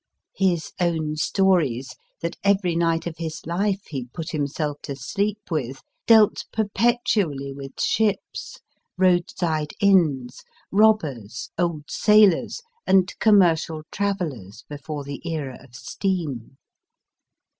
His own stories, that every night of his life he put himself to sleep with, dealt perpetually with ships, roadside inns, robbers, old sailors, and commercial travellers before the era of steam.